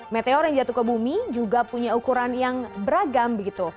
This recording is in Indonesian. meteor yang jatuh ke bumi juga punya ukuran yang beragam